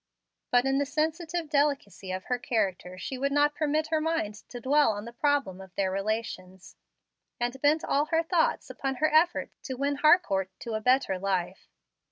But in the sensitive delicacy of her character she would not permit her mind to dwell on the problem of their relations, and bent all her thoughts upon her effort to win Harcourt to a better life.